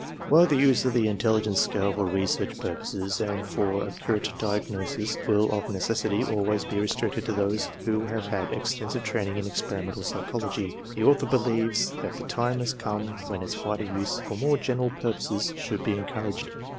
While the use of the intelligence scale for research pur poses and for accurate diagnosis will of necessity always be restricted to those who have had extensive training in experimental psychology, the author believes that the time has come when its wider use for more general purposes should be encouraged.